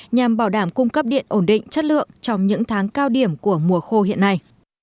nhằm bảo đảm cung cấp điện ổn định chất lượng trong những tháng cao điểm của mùa khô hiện nay